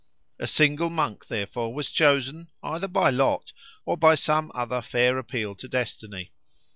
A single monk therefore was chosen, either by lot or by some other fair appeal to destiny.